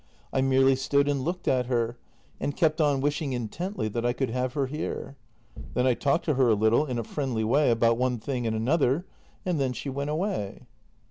I merely stood and looked at her — and kept on wishing intently that I could have her here. Then I talked to her a little, in a friendly way — about one thing and another. And then she went away.